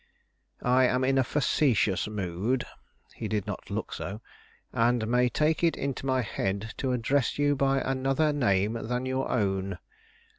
I am in a facetious mood" he did not look so "and may take it into my head to address you by another name than your own.